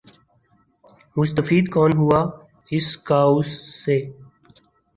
مستفید کون ہوا اس کاؤس سے ۔